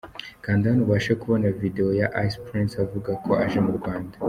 Kanda hano ubashe kubona Video ya Ice Prince avuga ko aje mu Rwanda.